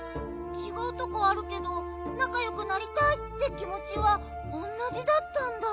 ちがうとこあるけどなかよくなりたいってきもちはおんなじだったんだ。